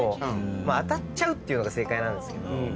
当たっちゃうっていうのが正解なんですけど。